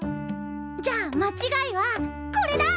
じゃあまちがいはこれだ！